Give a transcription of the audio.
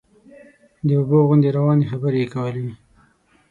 د اوبو غوندې روانې خبرې یې کولې.